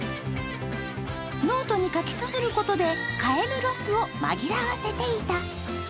ノートに書きつづることでカエルロスを紛らわせていた。